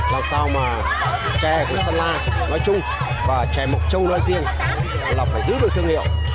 làm sao mà chè của sơn la nói chung và chè mộc châu nói riêng là phải giữ được thương hiệu